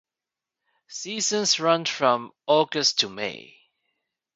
Seasons run from August to May.